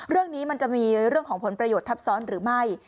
เรื่องนี้มันจะมีเรื่องของผลประโยชน์ทับซ้อนหรือไม่